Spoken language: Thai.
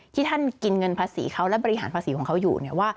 ที่ท่านกินเงินภาษีเขาและบริหารภาษีของเขาอยู่เนี่ยว่า